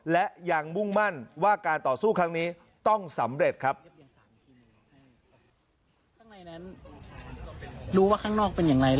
และยังมุ่งมั่นว่าการต่อสู้ครั้งนี้ต้องสำเร็จครับ